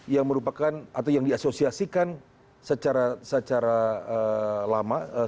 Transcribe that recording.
yang merupakan atau yang diasosiasikan secara lama